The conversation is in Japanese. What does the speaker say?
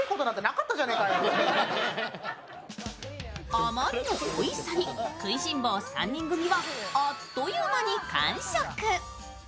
あまりのおいしさに食いしん坊３人組はあっという間に完食。